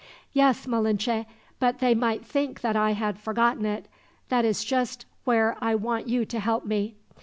"Yes, Malinche; but they might think that I had forgotten it. That is just where I want you to help me.